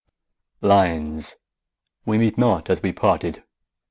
LINES: 'WE MEET NOT AS WE PARTED'.